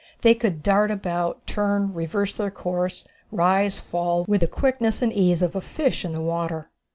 They could dart about, turn, reverse their course, rise, fall, with the quickness and ease of a fish in the water.